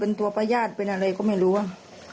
เป็นตัวประญาติเป็นอะไรก็ไม่รู้